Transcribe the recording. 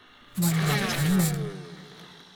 為民請命